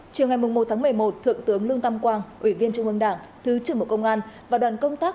trước ngày một tháng một mươi một thượng tướng lương tam quang ủy viên trưởng quân đảng thứ trưởng bộ công an và đoàn công tác